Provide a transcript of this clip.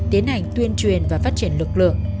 tiến hành tuyên truyền và phát triển lực lượng